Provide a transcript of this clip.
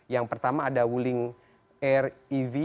yang pertama ada wuling r ev